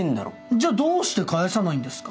じゃどうして返さないんですか？